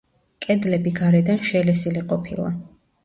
კედლები გარედან შელესილი ყოფილა.